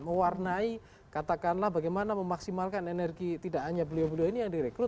mewarnai katakanlah bagaimana memaksimalkan energi tidak hanya beliau beliau ini yang direkrut